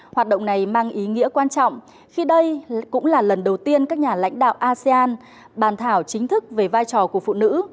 hoạt động này mang ý nghĩa quan trọng khi đây cũng là lần đầu tiên các nhà lãnh đạo asean bàn thảo chính thức về vai trò của phụ nữ